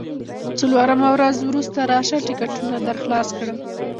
څلورمه ورځ وروسته راشه، ټکونه درخلاص کړم.